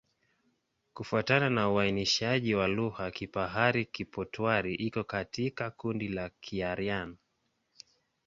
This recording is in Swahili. Kufuatana na uainishaji wa lugha, Kipahari-Kipotwari iko katika kundi la Kiaryan.